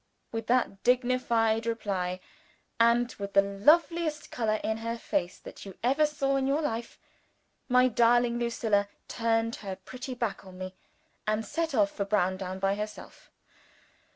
With that dignified reply, and with the loveliest color in her face that you ever saw in your life, my darling Lucilla turned her pretty back on me, and set off for Browndown by herself.